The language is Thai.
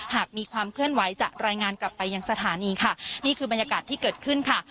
หากมีความเคลื่อนไหวจะรายงานกลับไปยังสถานีค่ะนี่คือบรรยากาศที่เกิดขึ้นค่ะ